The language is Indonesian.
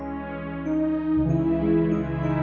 pacar itu belum tentu